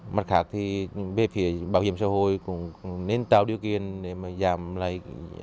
mặt khác về phía bảo hiểm xã hội cũng nên tạo điều kiện để giảm lãi